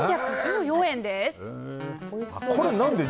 ３１４円です。